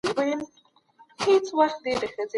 سرمایه داري نظام د افراط تر حده رسېدلی دی.